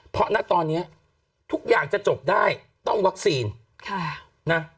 เพราะณตอนนี้ทุกอย่างจะจบได้ต้องวัคซีนนะ